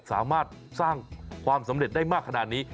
สามารถสร้างความสำเร็จได้มากขนาดนี้